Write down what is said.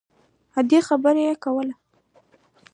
عادي خبرې کول